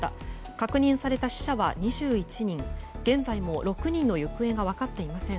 確認された死者は２１人現在も６人の行方が分かっていません。